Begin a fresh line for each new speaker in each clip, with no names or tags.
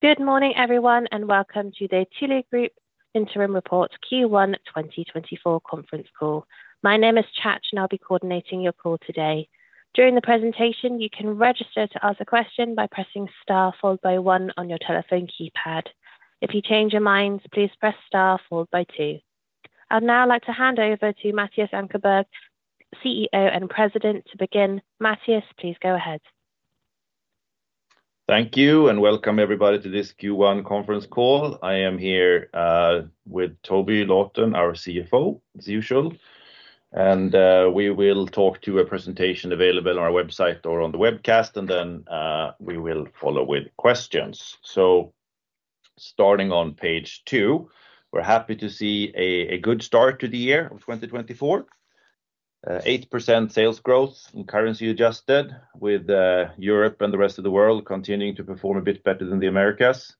Good morning, everyone, and welcome to the Thule Group Interim Report Q1 2024 Conference Call. My name is Chach, and I'll be coordinating your call today. During the presentation, you can register to ask a question by pressing star followed by one on your telephone keypad. If you change your mind, please press star followed by two. I'd now like to hand over to Mattias Ankarberg, CEO and President to begin. Mattias, please go ahead.
Thank you, and welcome everybody to this Q1 conference call. I am here with Toby Lawton, our CFO, as usual, and we will talk to a presentation available on our website or on the webcast, and then we will follow with questions. So starting on page two, we're happy to see a good start to the year of 2024. 8% sales growth and currency adjusted with Europe and the rest of the world continuing to perform a bit better than the Americas.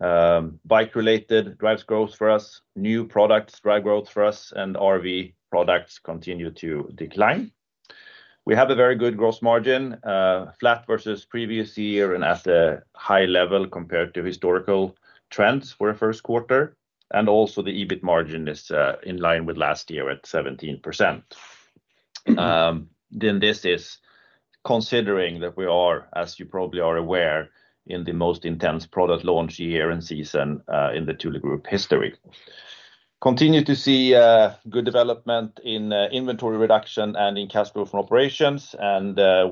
Bike-related drives growth for us, new products drive growth for us, and RV products continue to decline. We have a very good gross margin flat versus previous year and at a high level compared to historical trends for a first quarter, and also the EBIT margin is in line with last year at 17%. Then this is considering that we are, as you probably are aware, in the most intense product launch year and season in the Thule Group history. Continue to see good development in inventory reduction and in cash flow from operations.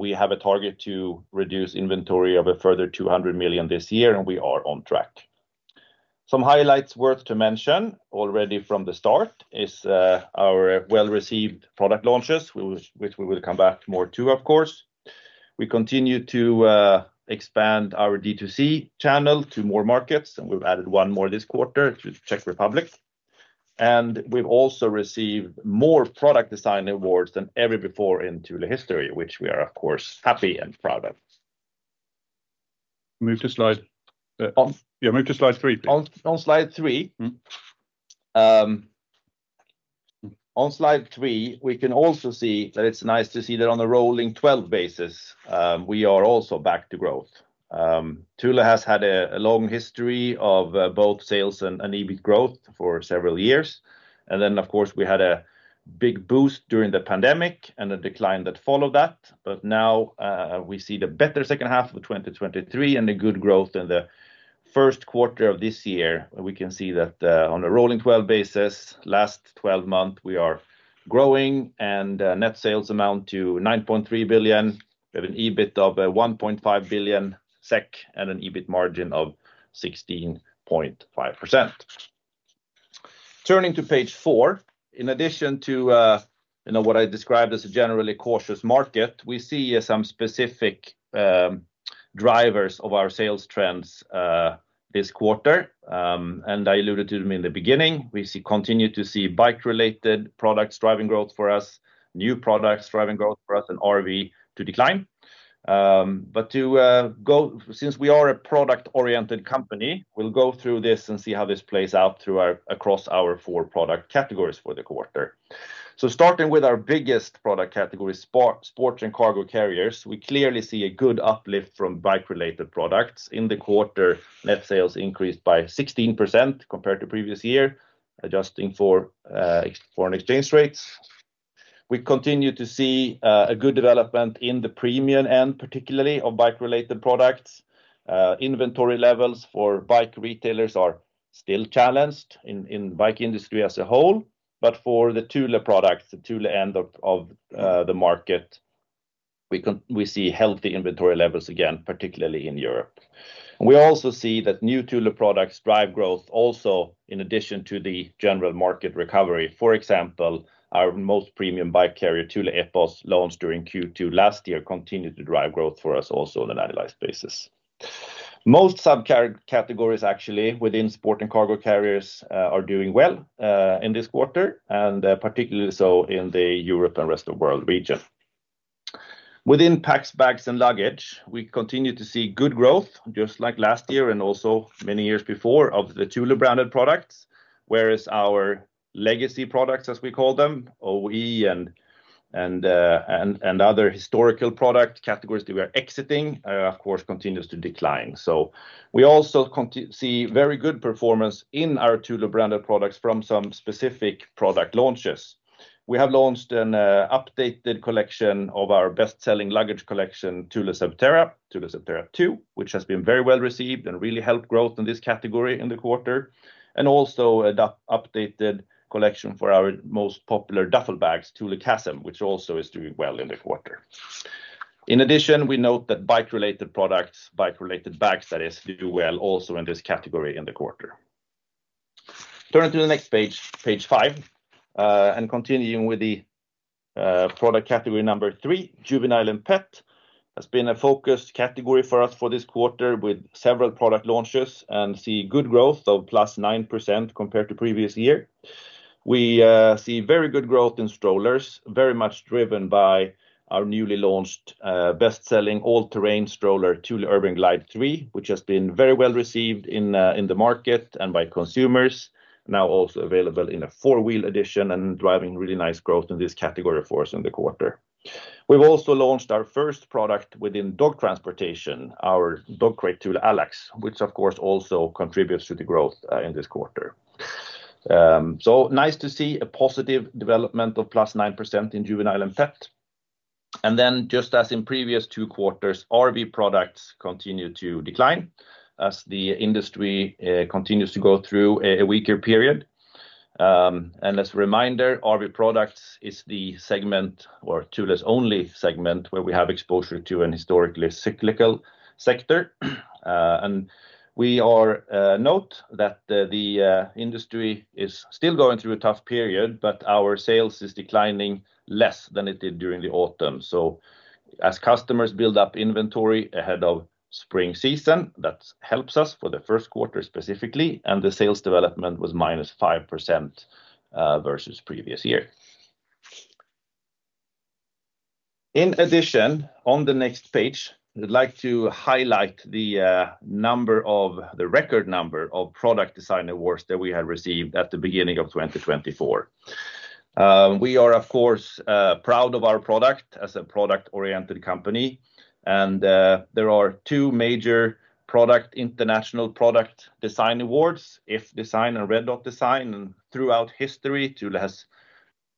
We have a target to reduce inventory of a further 200 million this year, and we are on track. Some highlights worth to mention already from the start is our well-received product launches, which we will come back more to, of course. We continue to expand our DTC channel to more markets, and we've added one more this quarter, which is Czech Republic. We've also received more product design awards than ever before in Thule history, which we are, of course, happy and proud of.
Move to slide. Yeah, move to slide three, please.
On slide three, we can also see that it's nice to see that on a rolling 12 basis, we are also back to growth. Thule has had a long history of both sales and EBIT growth for several years, and then, of course, we had a big boost during the pandemic and a decline that followed that. But now, we see the better second half of 2023 and the good growth in the first quarter of this year. We can see that, on a rolling 12 basis, last 12 months, we are growing, and net sales amount to 9.3 billion. We have an EBIT of 1.5 billion SEK and an EBIT margin of 16.5%. Turning to page four, in addition to you know what I described as a generally cautious market, we see some specific drivers of our sales trends this quarter. I alluded to them in the beginning. We continue to see bike-related products driving growth for us, new products driving growth for us, and RV to decline. But to go. Since we are a product-oriented company, we'll go through this and see how this plays out across our four product categories for the quarter. Starting with our biggest product category, Sports and Cargo Carriers, we clearly see a good uplift from bike-related products. In the quarter, net sales increased by 16% compared to previous year, adjusting for foreign exchange rates. We continue to see a good development in the premium end, particularly of bike-related products. Inventory levels for bike retailers are still challenged in the bike industry as a whole, but for the Thule products, the Thule end of the market, we see healthy inventory levels, again, particularly in Europe. We also see that new Thule products drive growth also in addition to the general market recovery. For example, our most premium bike carrier, Thule Epos, launched during Q2 last year, continued to drive growth for us also on an annualized basis. Most subcategories actually within sport and cargo carriers are doing well in this quarter, and particularly so in the Europe and rest of world region. Within Packs, Bags, and Luggage, we continue to see good growth, just like last year and also many years before, of the Thule-branded products, whereas our legacy products, as we call them, OE and other historical product categories that we are exiting, of course, continues to decline. So we also see very good performance in our Thule-branded products from some specific product launches. We have launched an updated collection of our best-selling luggage collection, Thule Subterra, Thule Subterra 2, which has been very well-received and really helped growth in this category in the quarter, and also an updated collection for our most popular duffel bags, Thule Chasm, which also is doing well in the quarter. In addition, we note that bike-related products, bike-related bags, that is, do well also in this category in the quarter. Turning to the next page, page 5, and continuing with the product category number three, Juvenile and Pet, has been a focus category for us for this quarter with several product launches and see good growth of +9% compared to previous year. We see very good growth in strollers, very much driven by our newly launched best-selling all-terrain stroller, Thule Urban Glide 3, which has been very well received in the market and by consumers. Now also available in a four-wheel edition and driving really nice growth in this category for us in the quarter. We've also launched our first product within dog transportation, our dog crate, Thule Allax, which of course also contributes to the growth in this quarter. So nice to see a positive development of +9% in Juvenile and Pet. And then just as in previous two quarters, RV Products continue to decline as the industry continues to go through a weaker period. And as a reminder, RV products is the segment or Thule's only segment, where we have exposure to an historically cyclical sector. And we note that the industry is still going through a tough period, but our sales is declining less than it did during the autumn. So as customers build up inventory ahead of spring season, that helps us for the first quarter specifically, and the sales development was -5% versus previous year. In addition, on the next page, I'd like to highlight the record number of product design awards that we had received at the beginning of 2024. We are, of course, proud of our product as a product-oriented company, and there are two major product, international product design awards, iF Design and Red Dot Design. And throughout history, Thule has,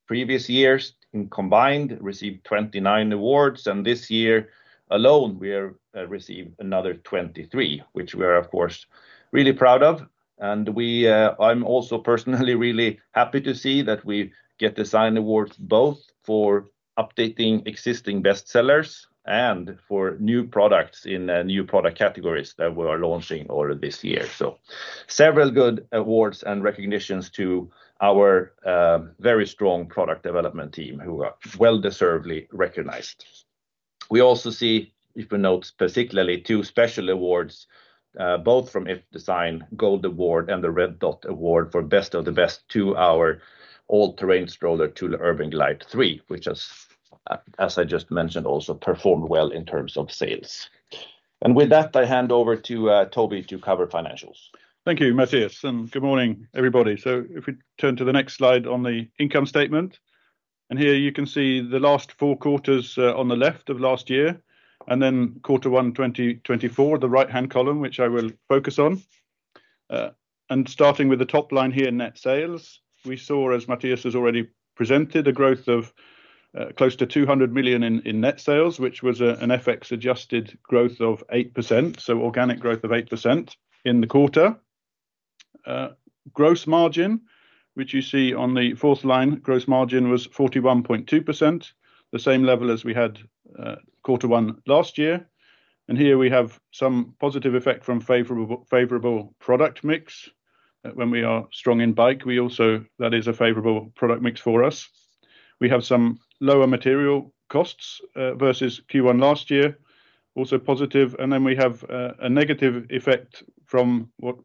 previous years in combined, received 29 awards, and this year alone we have received another 23, which we are, of course, really proud of. And we, I'm also personally really happy to see that we get design awards, both for updating existing bestsellers and for new products in new product categories that we are launching over this year. So several good awards and recognitions to our very strong product development team, who are well deservedly recognized. We also see, if we note particularly, two special awards, both from iF Design Gold Award and the Red Dot award for Best of the Best to our all-terrain stroller, Thule Urban Glide 3, which has, as I just mentioned, also performed well in terms of sales. And with that, I hand over to, Toby to cover financials.
Thank you, Mattias, and good morning, everybody. So if we turn to the next slide on the income statement, and here you can see the last four quarters on the left of last year, and then quarter one 2024, the right-hand column, which I will focus on. And starting with the top line here, net sales, we saw, as Mattias has already presented, a growth of close to 200 million in net sales, which was a an FX adjusted growth of 8%, so organic growth of 8% in the quarter. Gross margin, which you see on the fourth line, gross margin was 41.2%, the same level as we had quarter one last year. And here we have some positive effect from favorable product mix. When we are strong in bike, we also, that is a favorable product mix for us. We have some lower material costs versus Q1 last year, also positive, and then we have a negative effect from what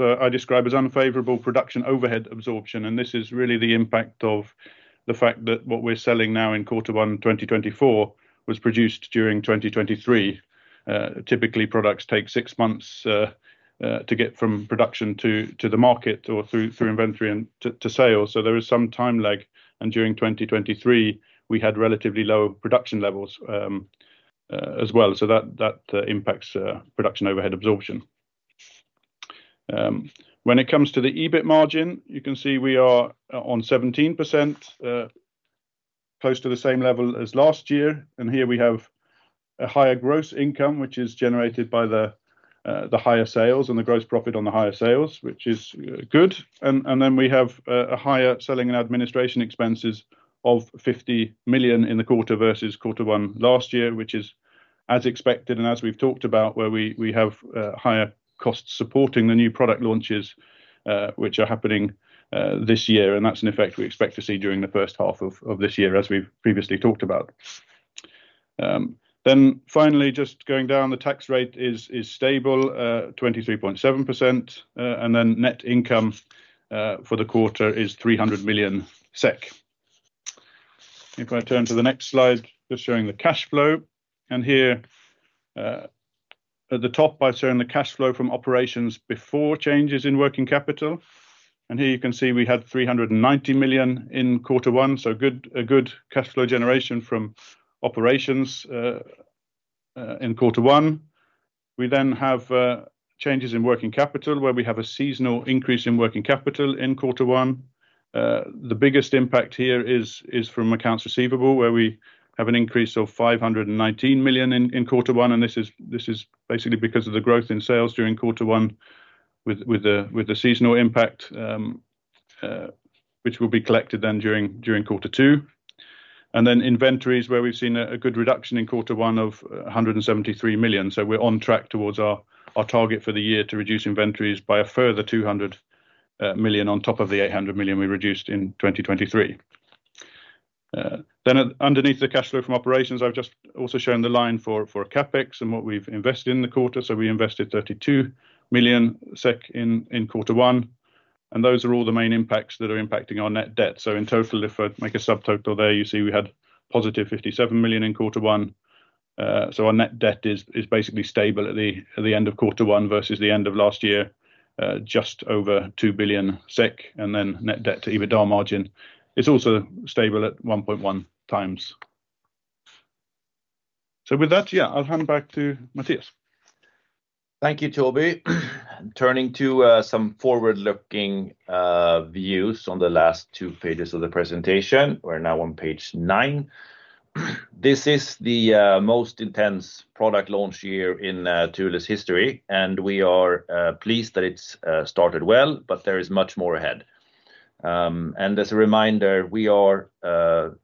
I describe as unfavorable production overhead absorption. And this is really the impact of the fact that what we're selling now in Q1 2024 was produced during 2023. Typically, products take six months to get from production to the market or through inventory and to sale. So there is some time lag, and during 2023, we had relatively low production levels as well. So that impacts production overhead absorption. When it comes to the EBIT margin, you can see we are on 17%, close to the same level as last year. Here we have a higher gross income, which is generated by the, the higher sales and the gross profit on the higher sales, which is good. And, and then we have, a higher selling and administration expenses of 50 million in the quarter versus quarter one last year, which is as expected and as we've talked about, where we, we have, higher costs supporting the new product launches, which are happening, this year. And that's an effect we expect to see during the first half of, of this year, as we've previously talked about. Then finally, just going down, the tax rate is, stable, and then net income, for the quarter is 300 million SEK. If I turn to the next slide, just showing the cash flow, and here, at the top, by showing the cash flow from operations before changes in working capital. And here you can see we had 390 million in quarter one, so good, a good cash flow generation from operations in quarter one. We then have changes in working capital, where we have a seasonal increase in working capital in quarter one. The biggest impact here is from accounts receivable, where we have an increase of 519 million in quarter one, and this is basically because of the growth in sales during quarter one with the seasonal impact, which will be collected then during quarter two. Then inventories, where we've seen a good reduction in quarter one of 173 million. So we're on track towards our target for the year to reduce inventories by a further 200 million on top of the 800 million we reduced in 2023. Then underneath the cash flow from operations, I've just also shown the line for CapEx and what we've invested in the quarter. So we invested 32 million SEK in quarter one, and those are all the main impacts that are impacting our net debt. So in total, if I make a subtotal there, you see we had positive 57 million in quarter one. So our net debt is, is basically stable at the, at the end of quarter one versus the end of last year, just over 2 billion SEK, and then net debt to EBITDA margin is also stable at 1.1 times. So with that, yeah, I'll hand back to Mattias.
Thank you, Toby. Turning to some forward-looking views on the last two pages of the presentation. We're now on page nine. This is the most intense product launch year in Thule's history, and we are pleased that it's started well, but there is much more ahead. And as a reminder, we are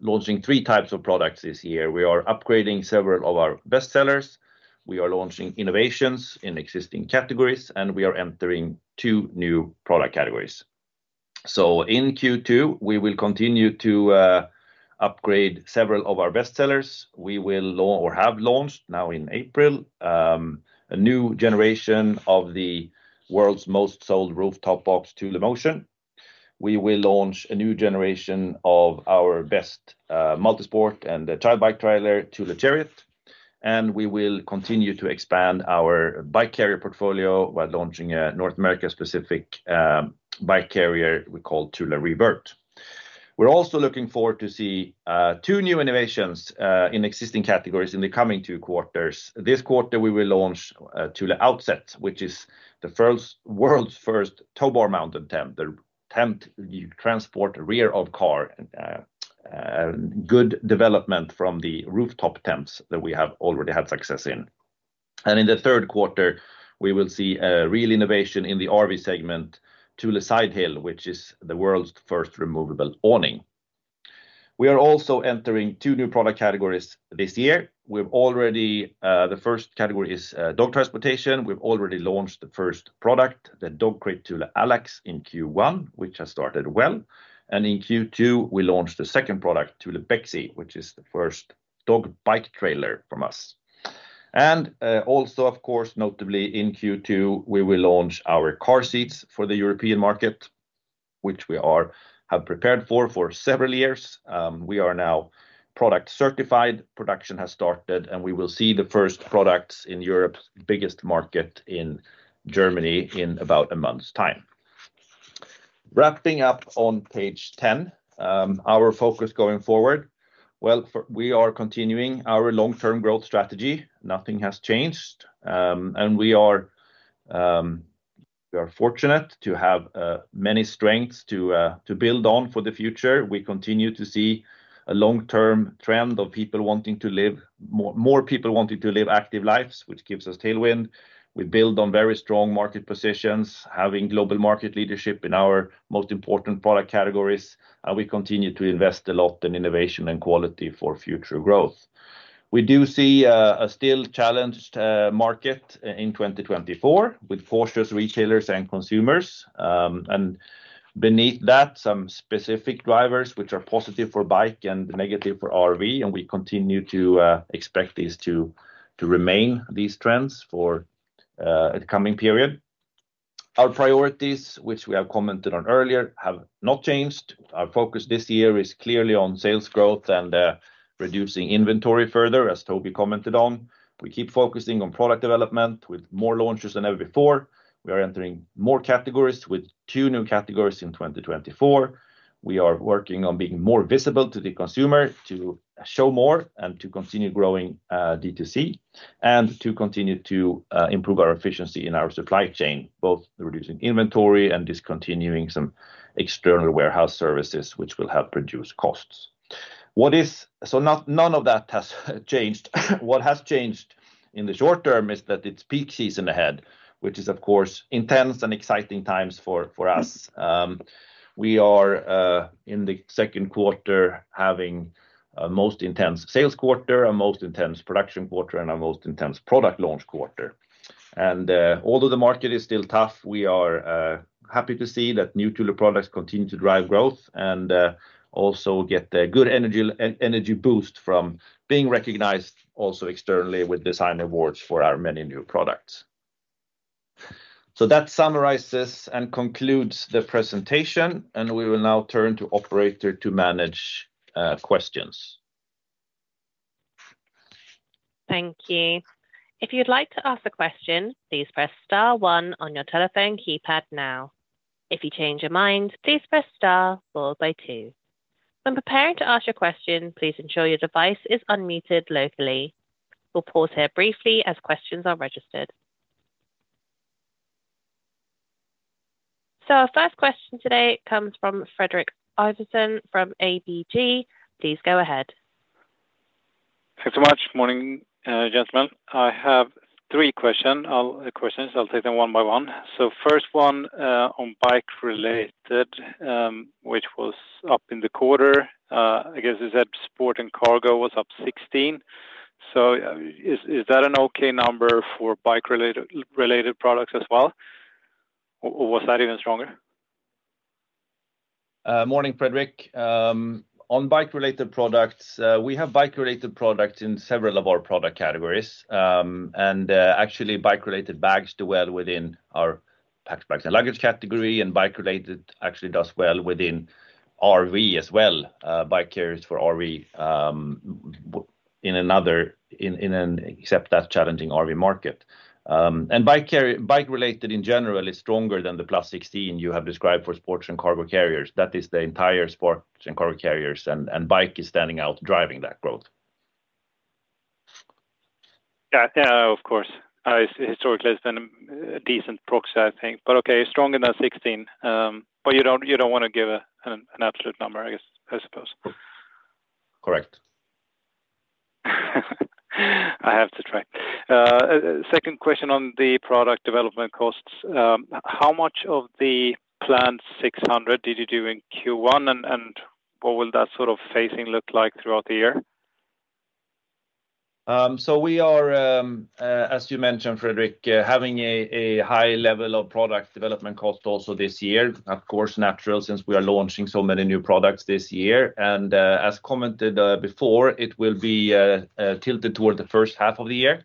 launching three types of products this year. We are upgrading several of our best sellers, we are launching innovations in existing categories, and we are entering two new product categories. So in Q2, we will continue to upgrade several of our best sellers. We have launched now in April a new generation of the world's most sold rooftop box, Thule Motion. We will launch a new generation of our best, multisport and a child bike trailer, Thule Chariot, and we will continue to expand our bike carrier portfolio by launching a North America specific, bike carrier we call Thule ReVert. We're also looking forward to see, two new innovations, in existing categories in the coming two quarters. This quarter, we will launch, Thule Outset, which is the first world's first tow-bar mounted tent. The tent you transport rear of car, good development from the rooftop tents that we have already had success in. And in the third quarter, we will see a real innovation in the RV segment, Thule Sidehill, which is the world's first removable awning. We are also entering two new product categories this year. We've already the first category is, dog transportation. We've already launched the first product, the dog crate, Thule Allax, in Q1, which has started well, and in Q2, we launched the second product, Thule Bexey, which is the first dog bike trailer from us. And also, of course, notably in Q2, we will launch our car seats for the European market, which we have prepared for for several years. We are now product certified, production has started, and we will see the first products in Europe's biggest market in Germany in about a month's time. Wrapping up on page ten, our focus going forward. We are continuing our long-term growth strategy. Nothing has changed. And we are fortunate to have many strengths to build on for the future. We continue to see a long-term trend of people wanting to live more active lives, which gives us tailwind. We build on very strong market positions, having global market leadership in our most important product categories, and we continue to invest a lot in innovation and quality for future growth. We do see a still challenged market in 2024, with cautious retailers and consumers. And beneath that, some specific drivers, which are positive for bike and negative for RV, and we continue to expect these to remain these trends for the coming period. Our priorities, which we have commented on earlier, have not changed. Our focus this year is clearly on sales growth and reducing inventory further, as Toby commented on. We keep focusing on product development with more launches than ever before. We are entering more categories with two new categories in 2024. We are working on being more visible to the consumer, to show more and to continue growing DTC, and to continue to improve our efficiency in our supply chain, both reducing inventory and discontinuing some external warehouse services, which will help reduce costs. So none of that has changed. What has changed in the short term is that it's peak season ahead, which is, of course, intense and exciting times for us. We are in the second quarter, having a most intense sales quarter, a most intense production quarter, and our most intense product launch quarter. Although the market is still tough, we are happy to see that new Thule products continue to drive growth and also get a good energy boost from being recognized also externally with design awards for our many new products. So that summarizes and concludes the presentation, and we will now turn to operator to manage questions.
Thank you. If you'd like to ask a question, please press star one on your telephone keypad now. If you change your mind, please press star followed by two. When preparing to ask your question, please ensure your device is unmuted locally. We'll pause here briefly as questions are registered. So our first question today comes from Fredrik Ivarsson, from ABG. Please go ahead.
Thanks so much. Morning, gentlemen. I have three questions. I'll take them one by one. So first one, on bike-related, which was up in the quarter, I guess you said sport and cargo was up 16%. So, is that an okay number for bike-related products as well, or was that even stronger?
Morning, Fredrik. On bike-related products, we have bike-related products in several of our product categories. Actually, bike-related bags do well within our packed bags and luggage category, and bike related actually does well within RV as well, bike carriers for RV, except that challenging RV market. And bike related in general is stronger than the +16% you have described for sports and cargo carriers. That is the entire sports and cargo carriers, and bike is standing out, driving that growth.
Yeah, yeah, of course. Historically, it's been a decent proxy, I think. But okay, stronger than 16%, but you don't wanna give an absolute number, I guess, I suppose?
Correct.
I have to try. Second question on the product development costs. How much of the planned 600 million did you do in Q1, and, and what will that sort of phasing look like throughout the year?
So we are, as you mentioned, Fredrik, having a high level of product development cost also this year. Of course, natural, since we are launching so many new products this year. As commented before, it will be tilted toward the first half of the year.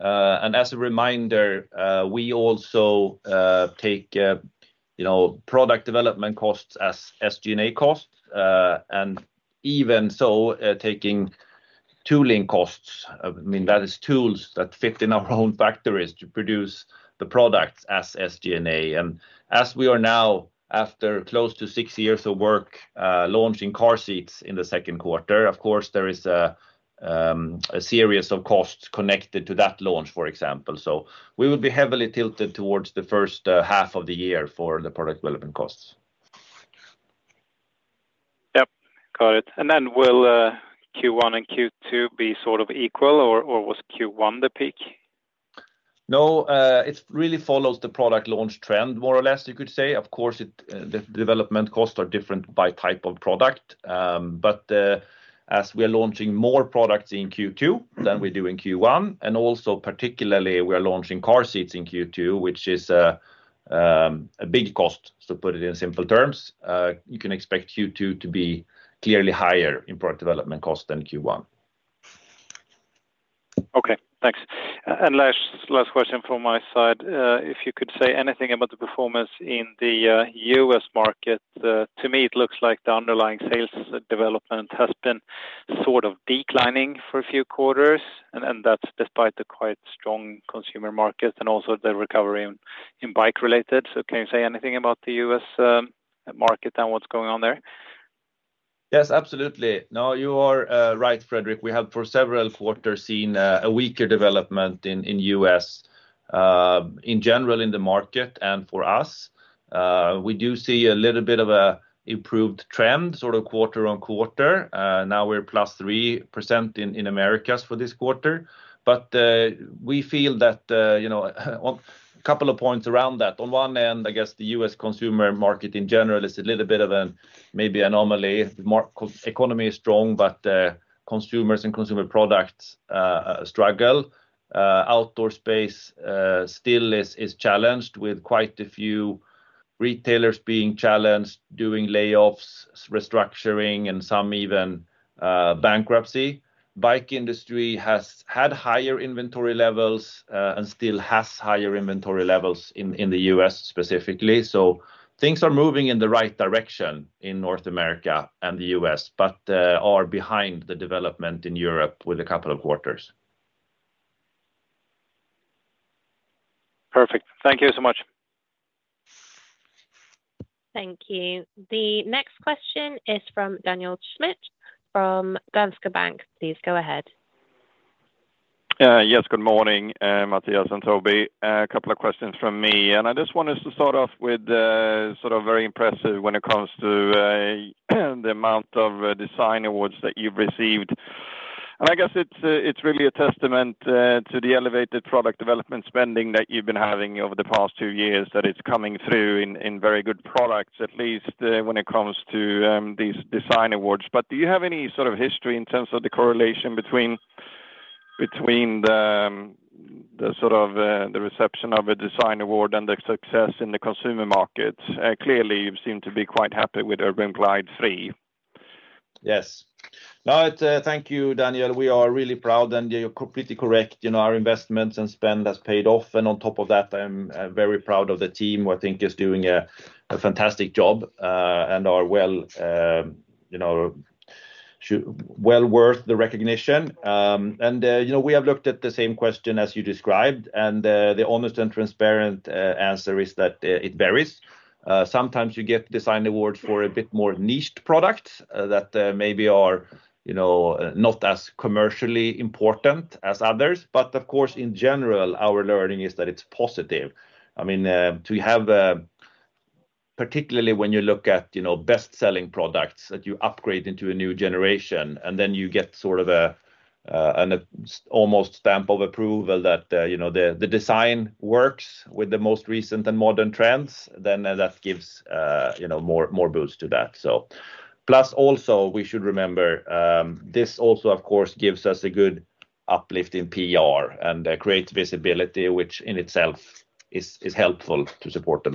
As a reminder, we also take, you know, product development costs as SG&A costs, and even so, taking tooling costs, I mean, that is tools that fit in our own factories to produce the products as SG&A. As we are now, after close to six years of work, launching car seats in the second quarter, of course, there is a series of costs connected to that launch, for example. So we will be heavily tilted towards the first half of the year for the product development costs.
Yep. Got it. And then will Q1 and Q2 be sort of equal, or was Q1 the peak?
No, it really follows the product launch trend, more or less, you could say. Of course, the development costs are different by type of product. But, as we are launching more products in Q2 than we do in Q1, and also particularly, we are launching car seats in Q2, which is a big cost, to put it in simple terms. You can expect Q2 to be clearly higher in product development cost than Q1.
Okay, thanks. And last question from my side. If you could say anything about the performance in the U.S. market. To me, it looks like the underlying sales development has been sort of declining for a few quarters, and that's despite the quite strong consumer market and also the recovery in bike related. So can you say anything about the U.S. market and what's going on there?
Yes, absolutely. No, you are right, Fredrik. We have, for several quarters, seen a weaker development in the U.S., in general, in the market. And for us, we do see a little bit of an improved trend, sort of quarter-over-quarter. Now we're +3% in Americas for this quarter. But we feel that, you know, couple of points around that. On one end, I guess the U.S. consumer market, in general, is a little bit of a maybe anomaly. Economy is strong, but consumers and consumer products struggle. Outdoor space still is challenged, with quite a few retailers being challenged, doing layoffs, restructuring, and some even bankruptcy. Bike industry has had higher inventory levels and still has higher inventory levels in the U.S. specifically. Things are moving in the right direction in North America and the U.S., but are behind the development in Europe with a couple of quarters.
Perfect. Thank you so much.
Thank you. The next question is from Daniel Schmidt from Danske Bank. Please go ahead.
Yes, good morning, Mattias and Toby. A couple of questions from me. I just wanted to start off with sort of very impressive when it comes to the amount of design awards that you've received. I guess it's really a testament to the elevated product development spending that you've been having over the past two years, that it's coming through in very good products, at least when it comes to these design awards. But do you have any sort of history in terms of the correlation between the sort of reception of a design award and the success in the consumer market? Clearly, you seem to be quite happy with Thule Urban Glide 3.
Yes. No, thank you, Daniel. We are really proud, and you're completely correct. You know, our investments and spend has paid off, and on top of that, I'm very proud of the team, who I think is doing a fantastic job, and are well, you know, well worth the recognition. And, you know, we have looked at the same question as you described, and the honest and transparent answer is that it varies. Sometimes you get design awards for a bit more niched products, that maybe are, you know, not as commercially important as others. But of course, in general, our learning is that it's positive. I mean, to have particularly when you look at, you know, best-selling products that you upgrade into a new generation, and then you get sort of an almost stamp of approval that, you know, the design works with the most recent and modern trends, then that gives, you know, more boost to that, so. Plus, also, we should remember, this also, of course, gives us a good uplift in PR and creates visibility, which in itself is helpful to support the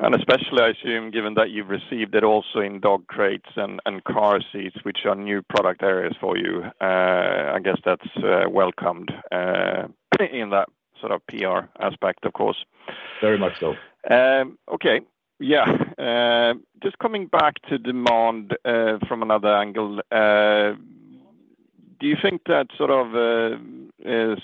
launches.
Especially, I assume, given that you've received it also in dog crates and car seats, which are new product areas for you, I guess that's welcomed, in that sort of PR aspect, of course.
Very much so.
Okay. Yeah. Just coming back to demand from another angle. Do you think that sort of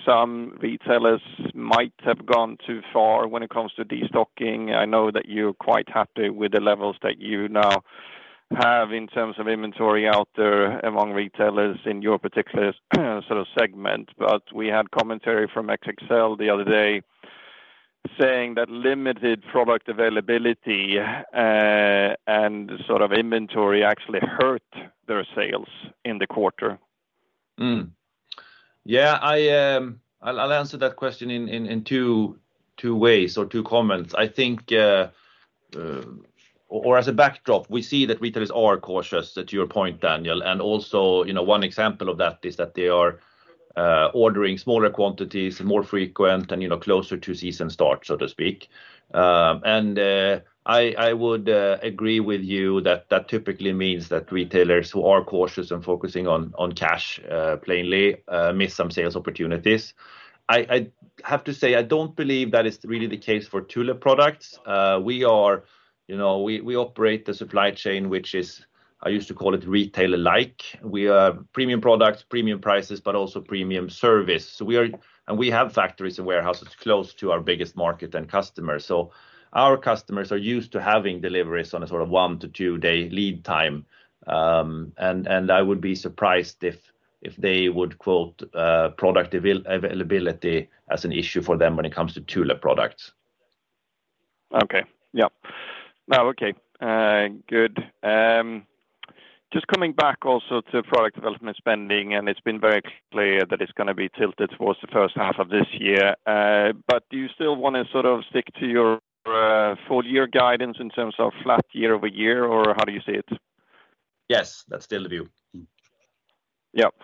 some retailers might have gone too far when it comes to destocking. I know that you're quite happy with the levels that you now have in terms of inventory out there among retailers in your particular, sort of segment, but we had commentary from XXL the other day saying that limited product availability and sort of inventory actually hurt their sales in the quarter.
Yeah, I'll answer that question in two ways or two comments. I think or as a backdrop, we see that retailers are cautious, to your point, Daniel, and also, you know, one example of that is that they are ordering smaller quantities, more frequent, and, you know, closer to season start, so to speak. And I would agree with you that that typically means that retailers who are cautious and focusing on cash plainly miss some sales opportunities. I have to say, I don't believe that is really the case for Thule products. We are, you know, we operate the supply chain, which is, I used to call it retailer-like. We are premium products, premium prices, but also premium service. We have factories and warehouses close to our biggest market and customers. Our customers are used to having deliveries on a sort of one to two day lead time. I would be surprised if they would quote product availability as an issue for them when it comes to Thule products.
Okay. Yep. No, okay, good. Just coming back also to product development spending, and it's been very clear that it's gonna be tilted towards the first half of this year. But do you still wanna sort of stick to your full year guidance in terms of flat year-over-year? Or how do you see it?
Yes, that's still the view.
Yep.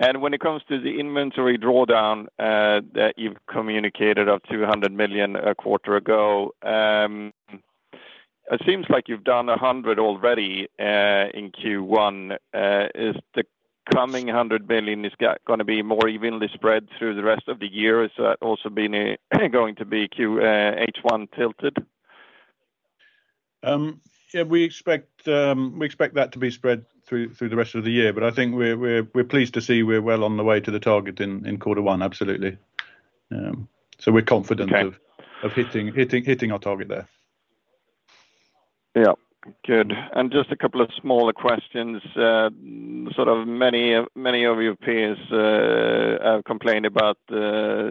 And when it comes to the inventory drawdown that you've communicated of 200 million a quarter ago, it seems like you've done 100 million already in Q1. Is the coming 100 million gonna be more evenly spread through the rest of the year? Is that also been going to be Q H1 tilted?
Yeah, we expect that to be spread through the rest of the year. But I think we're pleased to see we're well on the way to the target in quarter one. Absolutely. So we're confident of hitting our target there.
Yeah. Good. Just a couple of smaller questions. Sort of many of your peers have complained about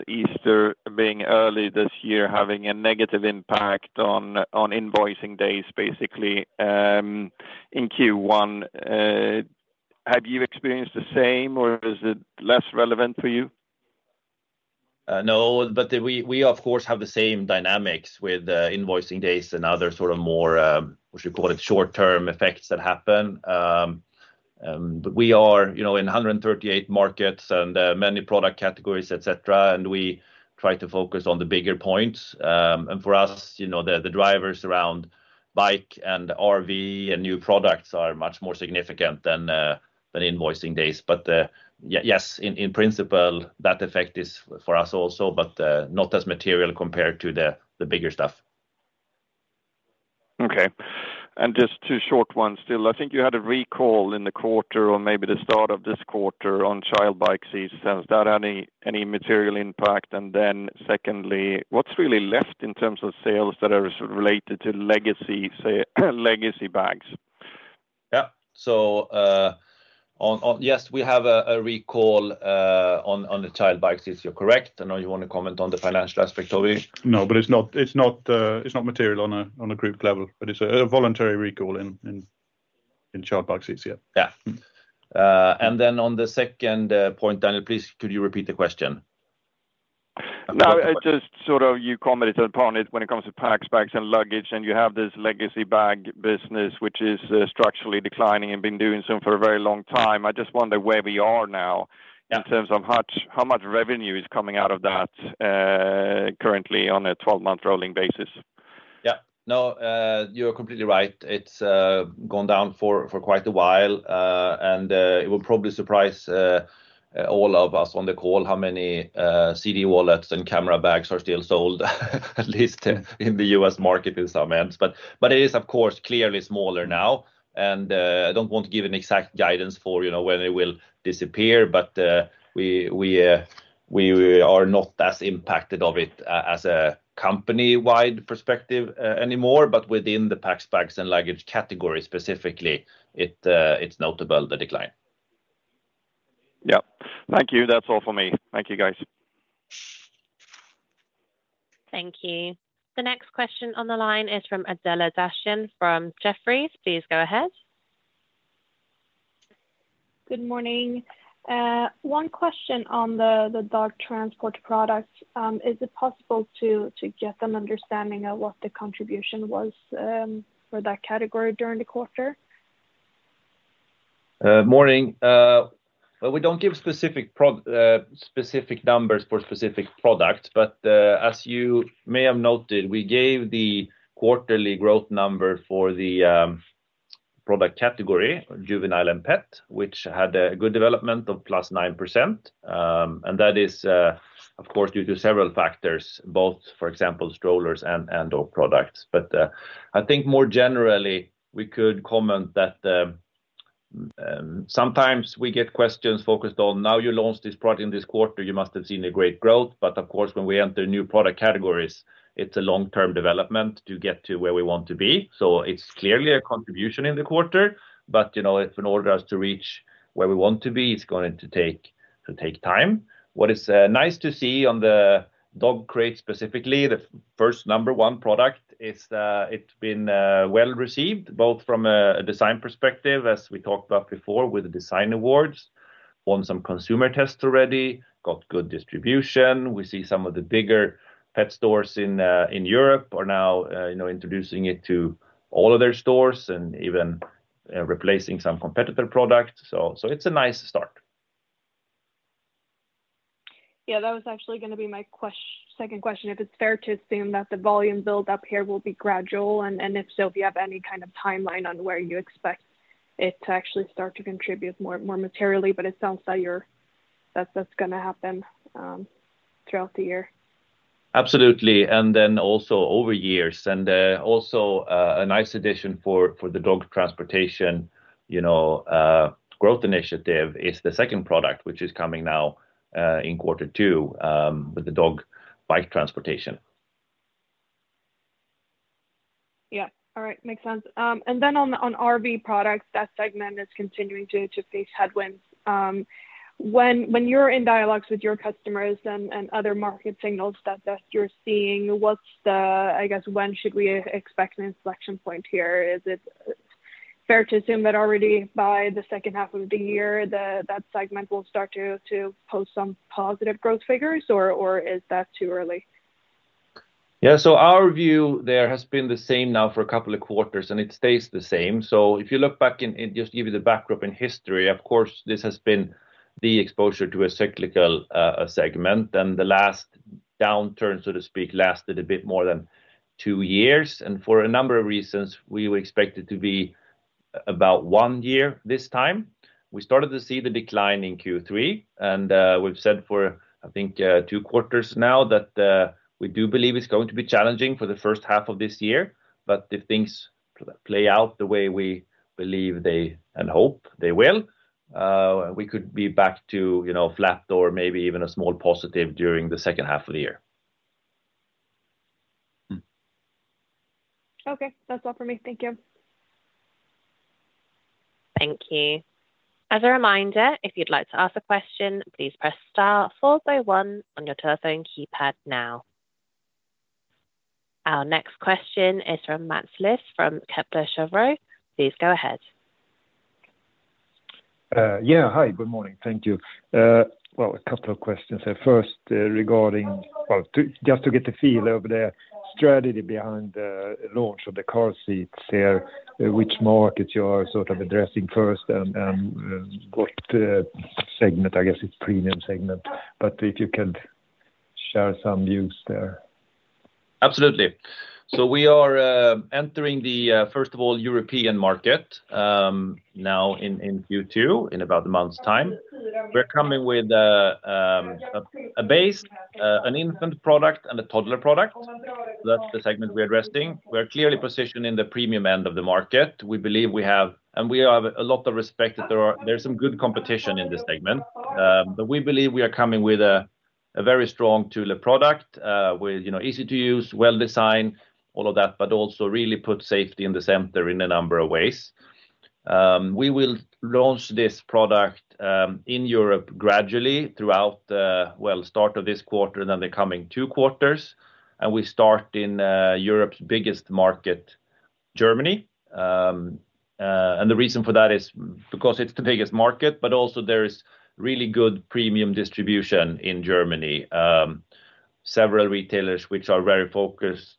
Easter being early this year, having a negative impact on invoicing days, basically, in Q1. Have you experienced the same, or is it less relevant for you?
No, but we, of course, have the same dynamics with invoicing days and other sort of more, what you call it, short-term effects that happen. But we are, you know, in 138 markets and many product categories, et cetera, and we try to focus on the bigger points. And for us, you know, the drivers around bike and RV and new products are much more significant than invoicing days. But yes, in principle, that effect is for us also, but not as material compared to the bigger stuff.
Okay. And just two short ones still. I think you had a recall in the quarter or maybe the start of this quarter on child bike seats. Has that had any material impact? And then secondly, what's really left in terms of sales that are sort of related to legacy bags?
Yeah. So, yes, we have a recall on the child bike seats. You're correct. I know you want to comment on the financial aspect of it.
No, but it's not material on a group level, but it's a voluntary recall in child bike seats. Yeah.
Yeah. And then on the second point, Daniel, please, could you repeat the question?
No, I just sort of you commented upon it when it comes to Packs, Bags, and Luggage, and you have this legacy bag business which is structurally declining and been doing so for a very long time. I just wonder where we are now in terms of how much, how much revenue is coming out of that, currently on a 12-month rolling basis.
Yeah. No, you're completely right. It's gone down for quite a while, and it will probably surprise all of us on the call, how many CD wallets and camera bags are still sold, at least in the U.S. market in some ends. But it is, of course, clearly smaller now, and I don't want to give an exact guidance for, you know, when it will disappear, but we are not as impacted of it as a company-wide perspective, anymore, but within the Packs, Bags, and Luggage category, specifically, it's notable, the decline.
Yep. Thank you. That's all for me. Thank you, guys.
Thank you. The next question on the line is from Adela Dashian, from Jefferies. Please go ahead.
Good morning. One question on the dog transport product. Is it possible to get an understanding of what the contribution was for that category during the quarter?
Morning. Well, we don't give specific numbers for specific products, but, as you may have noted, we gave the quarterly growth number for the product category, Juvenile and Pet, which had a good development of +9%. And that is, of course, due to several factors, both, for example, strollers and dog products. But, I think more generally, we could comment that, sometimes we get questions focused on, now you launched this product in this quarter, you must have seen a great growth. But of course, when we enter new product categories, it's a long-term development to get to where we want to be. So it's clearly a contribution in the quarter, but, you know, in order us to reach where we want to be, it's going to take time. What is nice to see on the dog crate, specifically, the first number one product, is that it's been well received, both from a design perspective, as we talked about before with the design awards, won some consumer tests already, got good distribution. We see some of the bigger pet stores in Europe are now, you know, introducing it to all of their stores and even replacing some competitor products. So it's a nice start.
Yeah, that was actually gonna be my second question, if it's fair to assume that the volume build-up here will be gradual, and if so, if you have any kind of timeline on where you expect it to actually start to contribute more materially? But it sounds like that that's gonna happen throughout the year.
Absolutely. Then also over years. Also, a nice addition for the dog transportation, you know, growth initiative is the second product, which is coming now in quarter two with the dog bike transportation.
Yeah. All right. Makes sense. And then on RV products, that segment is continuing to face headwinds. When you're in dialogues with your customers and other market signals that you're seeing, what's the I guess, when should we expect an inflection point here? Is it fair to assume that already by the second half of the year, that segment will start to post some positive growth figures, or is that too early?
Yeah. So our view there has been the same now for a couple of quarters, and it stays the same. So if you look back and just give you the backdrop in history, of course, this has been the exposure to a Cyclical segment. And the last downturn, so to speak, lasted a bit more than two years. And for a number of reasons, we were expected to be about one year this time. We started to see the decline in Q3, and we've said for, I think, two quarters now, that we do believe it's going to be challenging for the first half of this year. But if things play out the way we believe they, and hope they will, we could be back to, you know, flat or maybe even a small positive during the second half of the year.
Okay, that's all for me. Thank you.
Thank you. As a reminder, if you'd like to ask a question, please press star followed by one on your telephone keypad now. Our next question is from Mats Liss from Kepler Cheuvreux. Please go ahead.
Yeah. Hi, good morning. Thank you. Well, a couple of questions. First, regarding. Well, just to get a feel of the strategy behind the launch of the car seats there, which markets you are sort of addressing first and, and what segment? I guess it's Premium segment. But if you could share some views there.
Absolutely. So we are entering, first of all, the European market now in Q2, in about a month's time. We're coming with a bassinet, an infant product, and a toddler product. That's the segment we're addressing. We're clearly positioned in the premium end of the market. We believe we have a lot of respect that there's some good competition in this segment. But we believe we are coming with a very strong Thule product with, you know, easy to use, well-designed, all of that, but also really put safety in the center in a number of ways. We will launch this product in Europe gradually throughout the start of this quarter and then the coming two quarters, and we start in Europe's biggest market, Germany. And the reason for that is because it's the biggest market, but also there is really good premium distribution in Germany. Several retailers which are very focused,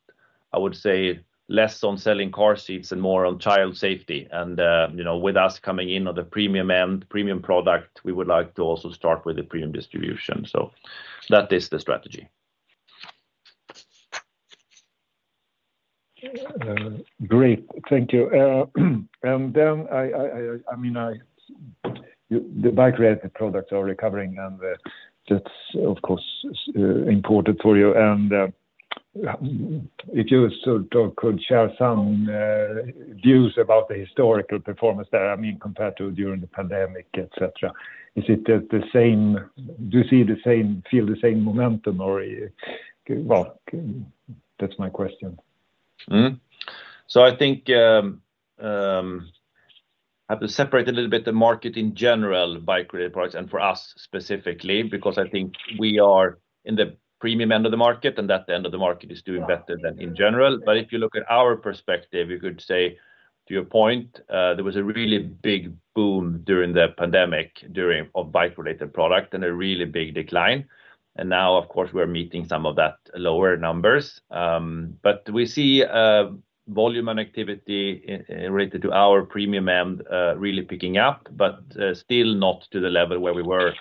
I would say, less on selling car seats and more on child safety. And, you know, with us coming in on the premium end, premium product, we would like to also start with the premium distribution. So that is the strategy.
Great. Thank you. And then I mean the bike-related products are recovering, and that's of course important for you. And if you sort of could share some views about the historical performance there, I mean, compared to during the pandemic, et cetera, is it the same? Do you see the same, feel the same momentum or, well, that's my question.
So I think, I have to separate a little bit the market in general, bike-related products, and for us specifically, because I think we are in the premium end of the market, and that end of the market is doing better than in general. But if you look at our perspective, you could say, to your point, there was a really big boom during the pandemic, during of bike-related product, and a really big decline. And now, of course, we're meeting some of that lower numbers. But we see, volume and activity related to our premium end, really picking up, but still not to the level where we were,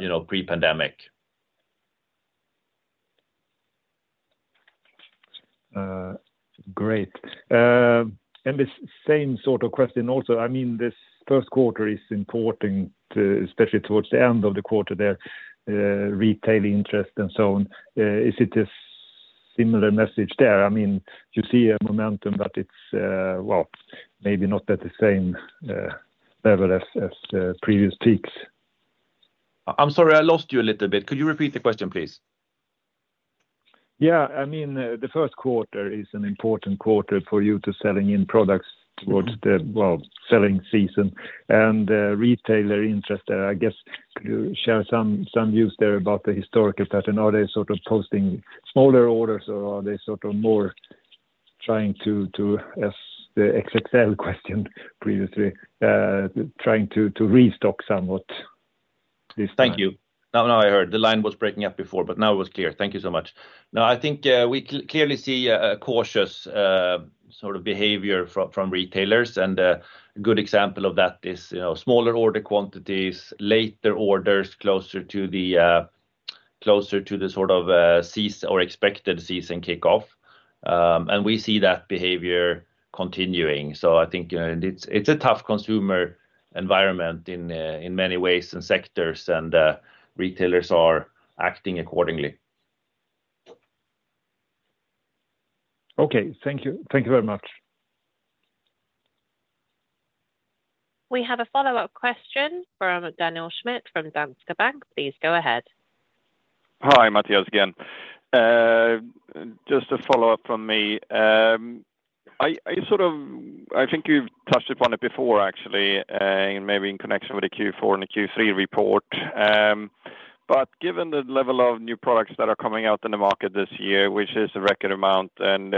you know, pre-pandemic.
Great. And the same sort of question also, I mean, this first quarter is important, especially towards the end of the quarter, there, retail interest and so on. Is it this similar message there? I mean, you see a momentum, but it's, well, maybe not at the same level as the previous peaks.
I'm sorry, I lost you a little bit. Could you repeat the question, please?
Yeah, I mean, the first quarter is an important quarter for you to selling in products towards the well, selling season and retailer interest, I guess. Could you share some views there about the historical pattern? Are they sort of posting smaller orders, or are they sort of more trying to, as the XXL question previously, trying to restock somewhat this time?
Thank you. Now I heard. The line was breaking up before, but now it was clear. Thank you so much. Now, I think, we clearly see a cautious sort of behavior from retailers, and a good example of that is, you know, smaller order quantities, later orders, closer to the sort of expected season kickoff. And we see that behavior continuing. So I think, it's a tough consumer environment in many ways and sectors, and retailers are acting accordingly.
Okay, thank you. Thank you very much.
We have a follow-up question from Daniel Schmidt from Danske Bank. Please go ahead.
Hi Mattias again. Just a follow-up from me. I sort of think you've touched upon it before, actually, maybe in connection with the Q4 and the Q3 report. But given the level of new products that are coming out in the market this year, which is a record amount, and,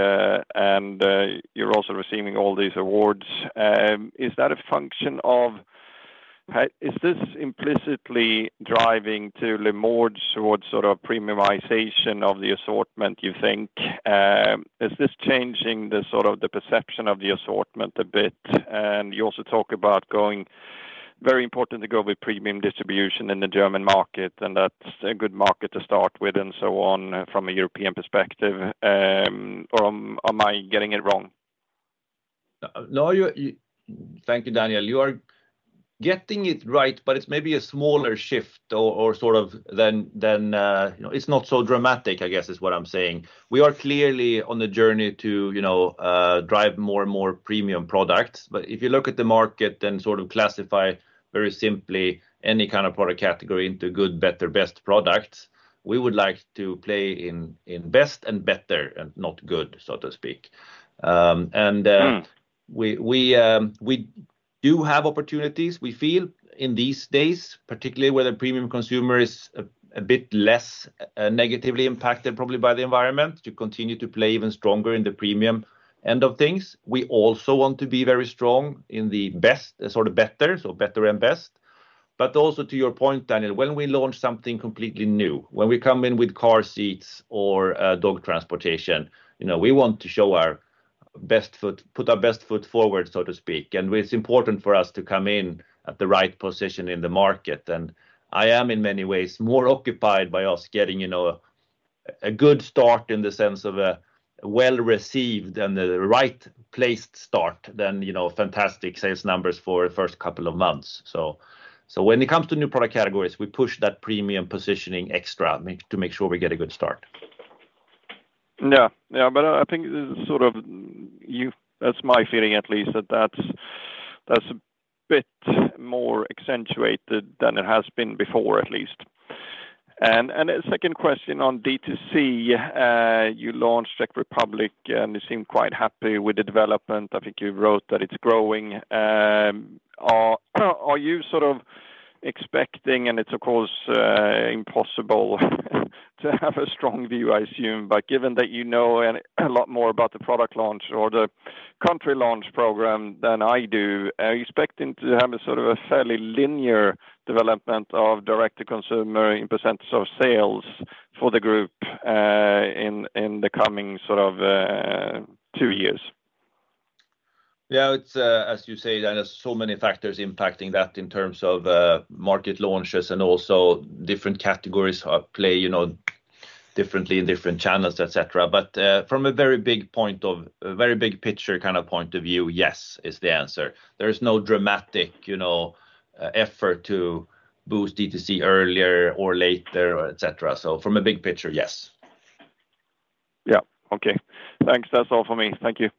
you're also receiving all these awards, is that a function of is this implicitly driving to leverage towards sort of premiumization of the assortment, you think? Is this changing the sort of the perception of the assortment a bit? And you also talk about it's very important to go with premium distribution in the German market, and that's a good market to start with and so on, from a European perspective. Or am I getting it wrong?
No. Thank you, Daniel. You are getting it right, but it's maybe a smaller shift or sort of than you know. It's not so dramatic, I guess, is what I'm saying. We are clearly on the journey to you know drive more and more premium products. But if you look at the market and sort of classify very simply any kind of product category into good, better, best products, we would like to play in best and better, and not good, so to speak. We do have opportunities we feel in these days, particularly where the premium consumer is a bit less negatively impacted probably by the environment, to continue to play even stronger in the premium end of things. We also want to be very strong in the best, sort of better, so better and best. But also to your point, Daniel, when we launch something completely new, when we come in with car seats or dog transportation, you know, we want to put our best foot forward, so to speak. And it's important for us to come in at the right position in the market. I am, in many ways, more occupied by us getting, you know, a good start in the sense of a well-received and the right placed start than, you know, fantastic sales numbers for a first couple of months. So when it comes to new product categories, we push that premium positioning extra to make sure we get a good start.
Yeah. But I think sort of, that's my feeling, at least, that's a bit more accentuated than it has been before, at least. And a second question on DTC. You launched Czech Republic, and you seem quite happy with the development. I think you wrote that it's growing. Are you sort of expecting, and it's, of course, impossible to have a strong view, I assume, but given that you know and a lot more about the product launch or the country launch program than I do, are you expecting to have a sort of a fairly linear development of direct-to-consumer in percentage of sales for the group, in the coming sort of two years?
Yeah, it's as you say, Daniel, so many factors impacting that in terms of market launches and also different categories are at play, you know, differently in different channels, et cetera. But, from a very big picture kind of point of view, yes, is the answer. There is no dramatic, you know, effort to boost DTC earlier or later or et cetera. So from a big picture, yes.
Yeah. Okay. Thanks. That's all for me. Thank you.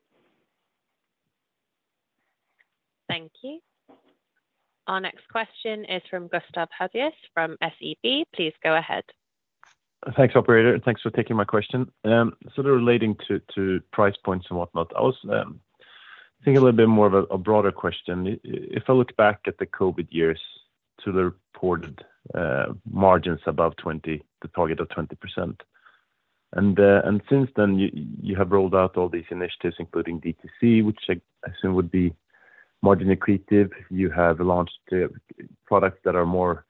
Thank you. Our next question is from Gustav Hagéus, from SEB. Please go ahead.
Thanks, operator. Thanks for taking my question. Sort of relating to price points and whatnot, I was thinking a little bit more of a broader question. If I look back at the COVID years to the reported margins above 20%, the target of 20%, and since then, you have rolled out all these initiatives, including DTC, which I assume would be margin accretive. You have launched products that are more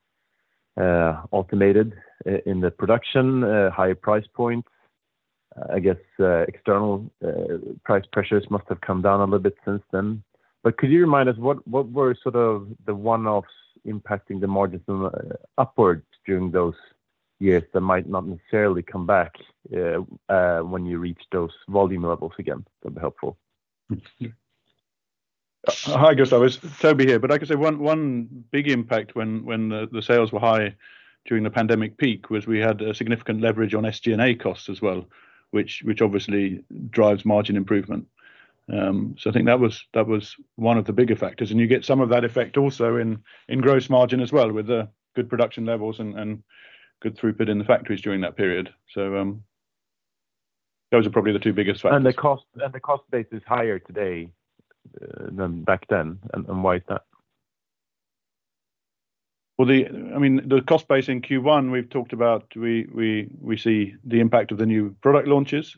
automated in the production, higher price points. I guess external price pressures must have come down a little bit since then. But could you remind us what were sort of the one-offs impacting the margins upwards during those years that might not necessarily come back when you reach those volume levels again? That'd be helpful.
Hi, Gustav, it's Toby here. But I can say one big impact when the sales were high during the pandemic peak was we had a significant leverage on SG&A costs as well, which obviously drives margin improvement. So I think that was one of the bigger factors. And you get some of that effect also in gross margin as well, with the good production levels and good throughput in the factories during that period. So those are probably the two biggest factors.
The cost base is higher today than back then, and why is that?
Well, I mean, the cost base in Q1, we've talked about, we see the impact of the new product launches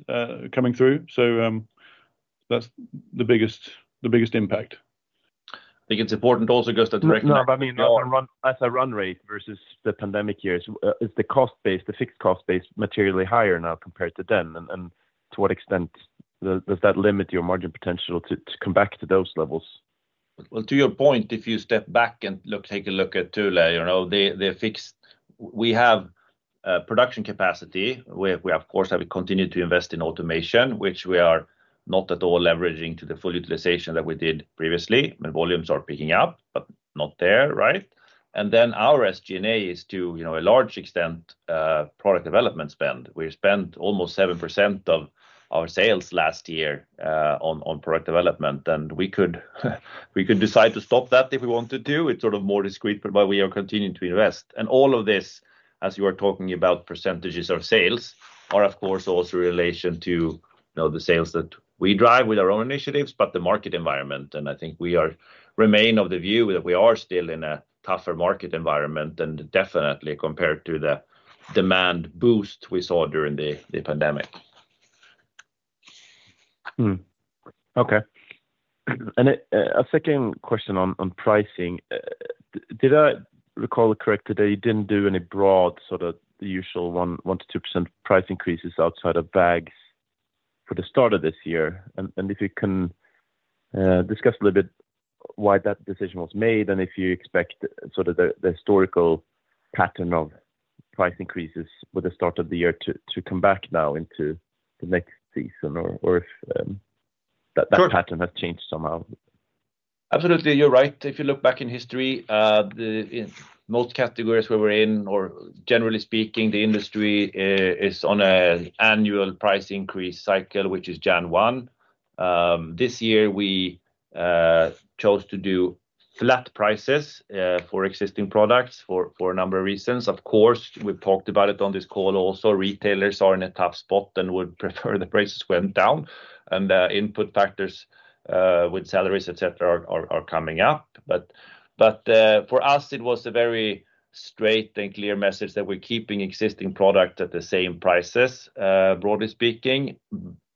coming through. So, that's the biggest impact.
I think it's important also, Gustav-
No, but I mean, as a run rate versus the pandemic years, is the cost base, the fixed cost base, materially higher now compared to then? And to what extent does that limit your margin potential to come back to those levels?
Well, to your point, if you step back and look-take a look at Thule, you know, the fixed. We have production capacity, where we, of course, have continued to invest in automation, which we are not at all leveraging to the full utilization that we did previously. The volumes are picking up, but not there, right? And then our SG&A is to, you know, a large extent product development spend. We spent almost 7% of our sales last year on product development, and we could decide to stop that if we wanted to. It's sort of more discrete, but we are continuing to invest. And all of this, as you are talking about percentages of sales, are of course also in relation to, you know, the sales that we drive with our own initiatives, but the market environment. I think we remain of the view that we are still in a tougher market environment, and definitely compared to the demand boost we saw during the pandemic.
Okay. A second question on pricing. Did I recall it correctly that you didn't do any broad, sort of the usual 1%-2% price increases outside of bags for the start of this year? And if you can discuss a little bit why that decision was made, and if you expect sort of the historical pattern of price increases with the start of the year to come back now into the next season or if that pattern has changed somehow.
Absolutely, you're right. If you look back in history, in most categories where we're in, or generally speaking, the industry, is on a annual price increase cycle, which is Jan 1. This year, we chose to do flat prices, for existing products for a number of reasons. Of course, we've talked about it on this call also, retailers are in a tough spot and would prefer the prices went down, and input factors with salaries, et cetera, are coming up. But for us, it was a very straight and clear message that we're keeping existing product at the same prices, broadly speaking,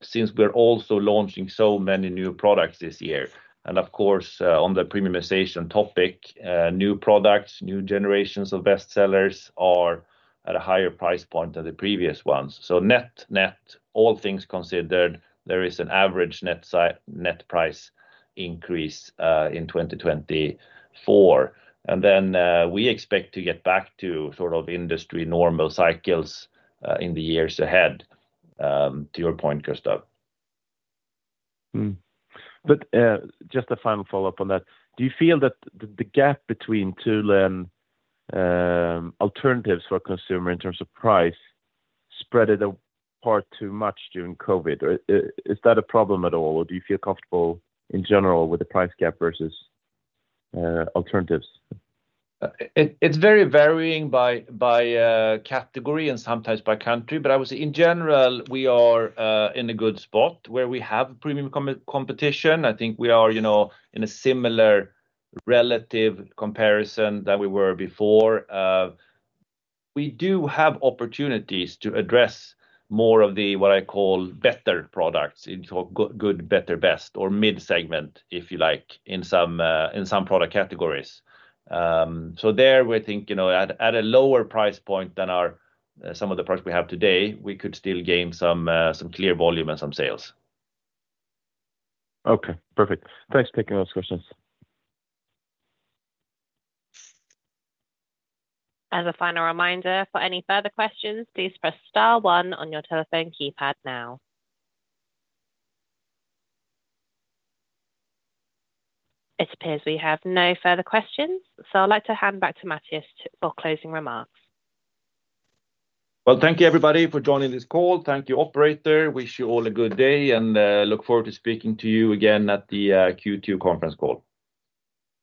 since we're also launching so many new products this year. Of course, on the premiumization topic, new products, new generations of best sellers are at a higher price point than the previous ones. So net, net, all things considered, there is an average net price increase in 2024. And then, we expect to get back to sort of industry normal cycles in the years ahead, to your point, Gustav.
But just a final follow-up on that. Do you feel that the gap between Thule and alternatives for consumer in terms of price spread it apart too much during COVID? Or is that a problem at all? Or do you feel comfortable in general with the price gap versus alternatives?
It's very varying by category and sometimes by country. But I would say, in general, we are in a good spot where we have premium competition. I think we are, you know, in a similar relative comparison than we were before. We do have opportunities to address more of the, what I call better products into good, better, best or mid-segment, if you like, in some product categories. So there we think, you know, at a lower price point than our some of the products we have today, we could still gain some clear volume and some sales.
Okay, perfect. Thanks for taking those questions.
As a final reminder, for any further questions, please press star one on your telephone keypad now. It appears we have no further questions, so I'd like to hand back to Mattias for closing remarks.
Well, thank you, everybody, for joining this call. Thank you, operator. Wish you all a good day, and look forward to speaking to you again at the Q2 conference call.